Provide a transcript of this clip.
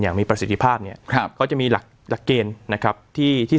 อย่างมีประสิทธิภาพเนี่ยครับก็จะมีหลักหลักเกณฑ์นะครับที่ที่